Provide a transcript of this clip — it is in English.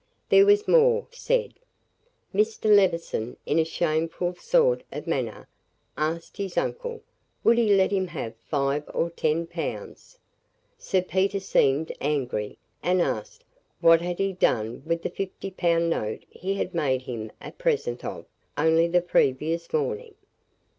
"There was more said. Mr. Levison, in a shameful sort of manner, asked his uncle, would he let him have five or ten pounds? Sir Peter seemed angry, and asked, what had he done with the fifty pound note he had made him a present of only the previous morning?